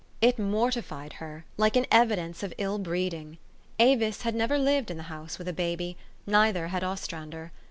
It mortified her, like an evidence of ill breeding. Avis had never lived in the house with a baby ; neither had Ostrander.